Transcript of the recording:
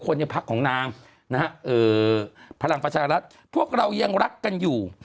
ในพักของนางนะฮะพลังประชารัฐพวกเรายังรักกันอยู่